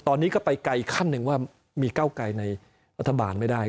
ตอนนี้ก็ไปไกลขั้นหนึ่งว่ามีเก้าไกลในรัฐบาลไม่ได้